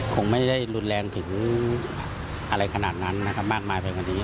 คงไม่ได้รุนแรงถึงอะไรขนาดนั้นนะครับมากมายไปกว่านี้